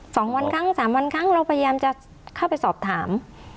สองวันครั้งสามวันครั้งเราพยายามจะเข้าไปสอบถาม